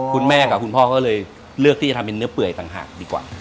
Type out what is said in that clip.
คุณแม่กับคุณพ่อก็เลยเลือกที่จะทำเป็นเนื้อเปื่อยต่างหากดีกว่า